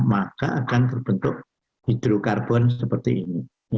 maka akan terbentuk hidrokarbon seperti ini